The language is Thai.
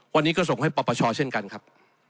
วันนี้ก็ส่งให้ปปชเช่นกันครับ